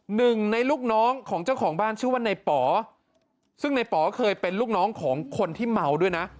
หนึ่งในลูกน้องของเจ้าของบ้านชื่อว่าในป๋อซึ่งในป๋อเคยเป็นลูกน้องของคนที่เมาด้วยนะ